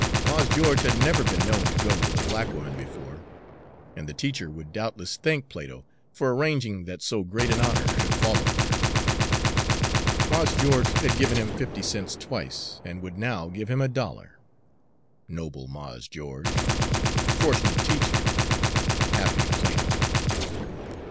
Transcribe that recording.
Mars Geo'ge had never been known to go with a black woman before, and the teacher would doubtless thank Plato for arranging that so great an honor should fall upon her. Mars Geo'ge had given him fifty cents twice, and would now give him a dollar. Noble Mars Geo'ge! Fortunate teacher! Happy Plato!